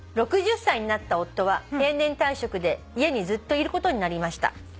「６０歳になった夫は定年退職で家にずっといることになりました」